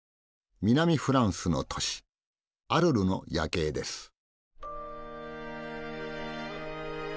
南フランスの都市アルルの夜景です。